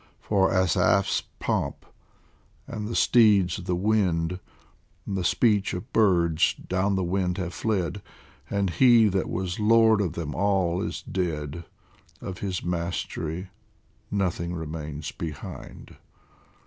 For Assaf 's pomp, and the steeds of the wind, And the speech of birds, down the wind have fled, And he that was lord of them all is dead ; Of his mastery nothing remains behind.